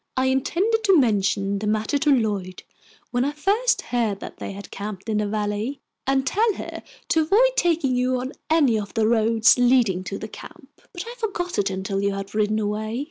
I intended to mention the matter to Lloyd when I first heard that they had camped in the Valley, and tell her to avoid taking you on any of the roads leading to the camp. But I forgot it until you had ridden away.